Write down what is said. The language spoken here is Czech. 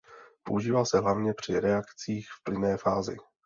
Používá se hlavně při reakcích v plynné fázi.